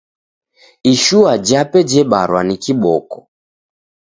Ishua jape jebarwa ni kiboko.